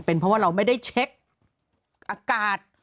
เป็นเพราะว่าเราไม่ได้เช็คอากาศ